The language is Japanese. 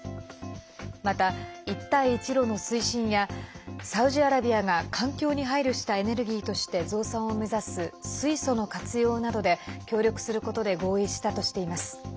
また、一帯一路の推進やサウジアラビアが環境に配慮したエネルギーとして増産を目指す水素の活用などで協力することで合意したとしています。